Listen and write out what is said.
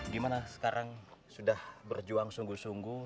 gimana sekarang sudah berjuang sungguh sungguh